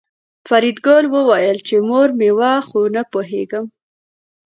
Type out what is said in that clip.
فریدګل وویل چې مور مې وه خو نه پوهېږم